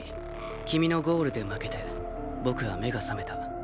君のゴールで負けて僕は目が覚めた。